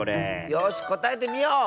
よしこたえてみよう！